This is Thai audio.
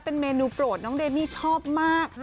เป็นเมนูโปรดน้องเดมี่ชอบมาก